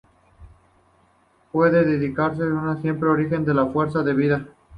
Puede decirse que siempre busca el origen de la fuerza de la vida.